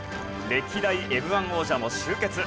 歴代Ｍ−１王者も集結。